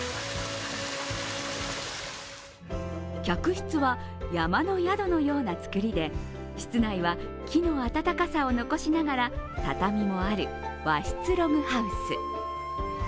客室は山の宿のような造りで室内は木の温かさを残しながら畳もある、和室ログハウス。